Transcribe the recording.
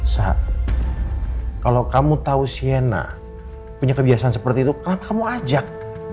sa kalau kamu tahu shena punya kebiasaan seperti itu kenapa kamu ajak